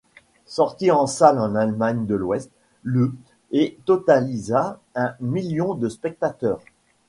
Sorti en salles en Allemagne de l'Ouest le et totalisa un million de spectateurs.